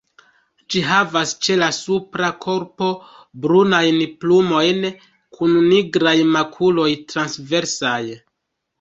Ĝi havas ĉe la supra korpo brunajn plumojn kun nigraj makuloj transversaj.